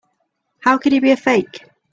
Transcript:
How could he be a fake?